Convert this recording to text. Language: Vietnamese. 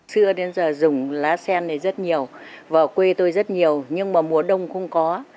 xưa đến giờ dùng lá sen này rất nhiều vào quê tôi rất nhiều nhưng mà mùa đông cũng có